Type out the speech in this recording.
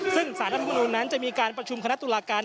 ซึ่งสารรัฐมนุนนั้นจะมีการประชุมคณะตุลาการ